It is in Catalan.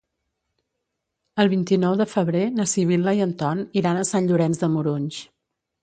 El vint-i-nou de febrer na Sibil·la i en Ton iran a Sant Llorenç de Morunys.